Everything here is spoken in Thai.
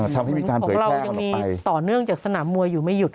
ทำให้มีการเผยแพร่มออกไปของเรายังมีต่อเนื่องจากสนามมวยอยู่ไม่หยุดอ่ะเนอะ